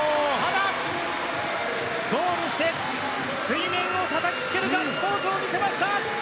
ゴールして水面をたたきつけるガッツポーズを見せました。